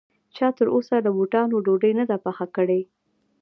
چا تر اوسه له بوټانو ډوډۍ نه ده پخه کړې